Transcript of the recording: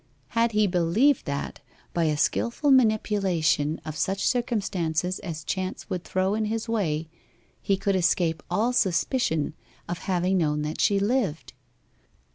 Had he believed that, by a skilful manipulation of such circumstances as chance would throw in his way, he could escape all suspicion of having known that she lived?